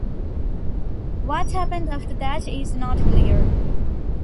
What happened after that is not clear.